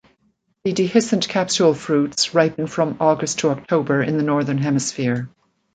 The dehiscent capsule fruits ripen from August to October in the northern hemisphere.